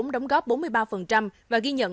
đóng góp bốn mươi ba và ghi nhận